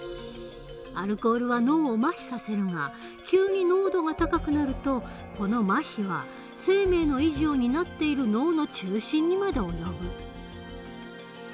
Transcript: アルコールは脳をまひさせるが急に濃度が高くなるとこのまひは生命の維持を担っている脳の中心にまで及ぶ。